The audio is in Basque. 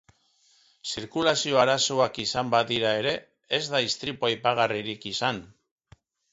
Zirkulazio arazoak izan badira ere, ez da istripu aipagarririk izan.